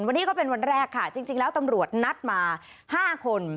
วันนี้ก็เป็นวันแรกค่ะจริงแล้วตำรวจนัดมา๕คน